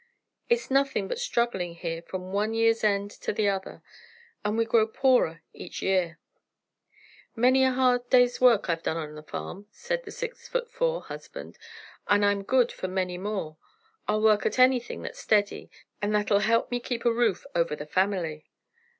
It's nothin' but struggling here from one year's end to the other, and we grow poorer each year." "Many a hard day's work I've done on the farm," said the six feet four husband, "and I'm good for many more. I'll work at anything that's steady, and that'll help me keep a roof over the family."